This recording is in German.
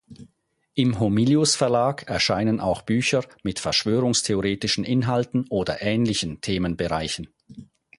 Im Homilius-Verlag erscheinen auch Bücher mit verschwörungstheoretischen Inhalten oder ähnlichen Themenbereichen.